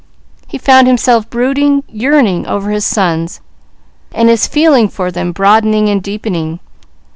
He found himself brooding, yearning over his sons, and his feeling for them broadening and deepening.